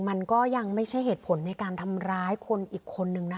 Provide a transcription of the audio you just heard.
มันก็ยังไม่ใช่เหตุผลในการทำร้ายคนอีกคนนึงนะคะ